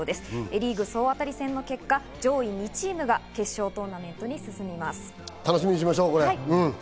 リーグ総当たり戦の結果上位２チームが決勝トーナメントに進みま楽しみにしましょう。